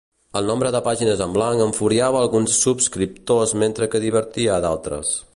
El nombre de pàgines en blanc enfuriava alguns subscriptors mentre que divertia a d'altres.